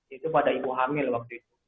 itu pada ibu hamil waktu itu